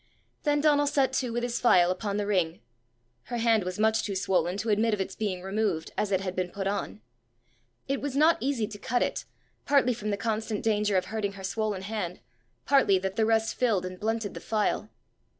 Then Donal set to with his file upon the ring: her hand was much too swollen to admit of its being removed as it had been put on. It was not easy to cut it, partly from the constant danger of hurting her swollen hand, partly that the rust filled and blunted the file.